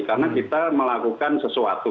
karena kita melakukan sesuatu